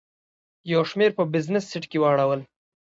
یو شمېر په بزنس سیټ کې واړول.